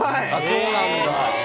そうなんだ。